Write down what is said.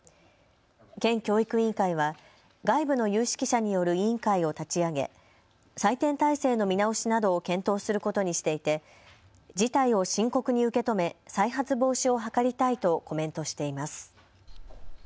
県教育委員会は外部の有識者による委員会を立ち上げ採点体制の見直しなどを検討することにしていて事態を深刻に受け止め再発防止を図りたいとコメントしています。